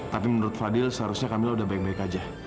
tapi menurut fadil seharusnya kamilah sudah baik baik saja